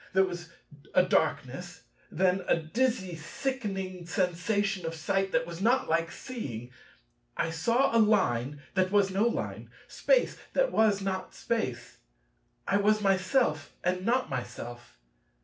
There was a darkness; then a dizzy, sickening sensation of sight that was not like seeing; I saw a Line that was no Line; Space that was not Space: I was myself, and not myself.